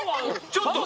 ちょっと。